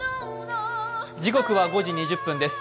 時刻は５時２０分です。